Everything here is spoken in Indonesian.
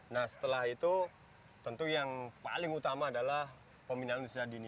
nah setelah itu tentu yang paling utama adalah peminat indonesia di sini